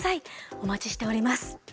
お待ちしております。